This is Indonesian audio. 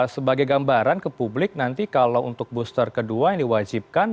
sebagai gambaran ke publik nanti kalau untuk booster kedua yang diwajibkan